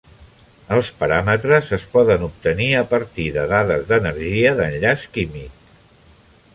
Els paràmetres es poden obtenir a partir de dades d'energia d'enllaç químic.